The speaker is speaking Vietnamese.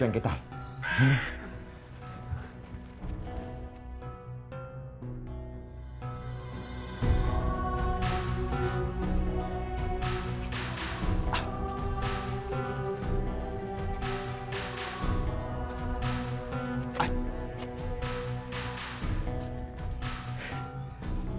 sống trong thác thương